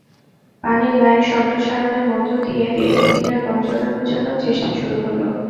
পানির লাইন সম্প্রসারণের মধ্য দিয়ে দীর্ঘদিনের বঞ্চনা ঘোচানোর চেষ্টা শুরু হলো।